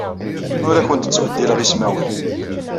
Ur awent-ttbeddileɣ ismawen.